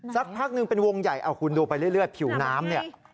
สักพักหนึ่งเป็นวงใหญ่เอาคุณดูไปเรื่อยผิวน้ำเนี่ย